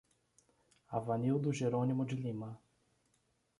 Avanildo Jeronimo de Lima